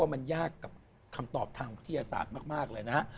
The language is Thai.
มันยากกับคำตอบทางอุทิศาสตร์มากเลย